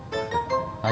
udah jalan dulu